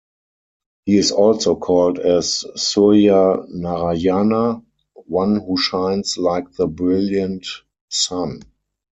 He is also called as "Surya Narayana", one who shines like the brilliant sun.